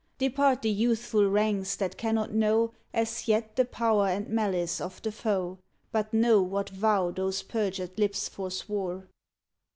Depart the youthful ranks that cannot know As yet the power and malice of the foe, But know what vow those perjured lips forswore.